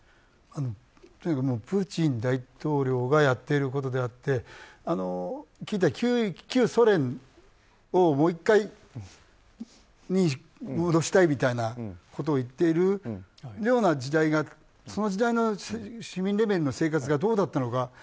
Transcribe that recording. とにかくプーチン大統領がやっていることであって旧ソ連にもう１回戻したいみたいなことを言っているようなその時代の市民レベルの生活がどうだったのか